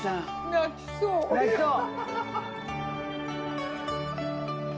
泣きそう？